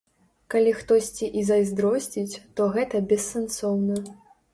Калі хтосьці і зайздросціць, то гэта бессэнсоўна.